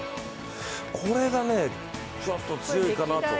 これがね、ちょっと強いかなと。